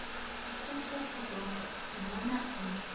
Yessefk ad tedduḍ, bɣu neɣ qqim.